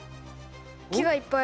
木がいっぱい。